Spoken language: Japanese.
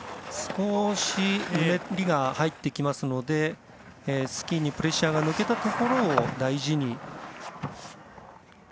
少しうねりが入ってきますのでスキーにプレッシャーが抜けたところを大事に。